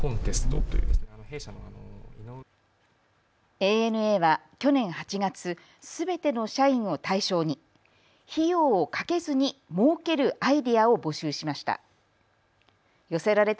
ＡＮＡは去年８月、すべての社員を対象に費用をかけずにもうけるアイデアを募集しました。